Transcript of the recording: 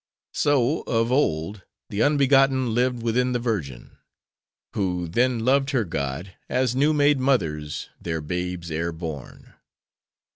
'—So, of old, the unbegotten lived within the virgin; who then loved her God, as new made mothers their babes ere born.